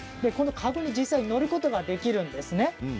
かごに実際に乗ることができるんですね。